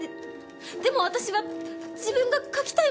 でも私は自分が書きたいものを。